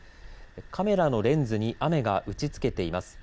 カメラのレンズに雨が打ちつけています。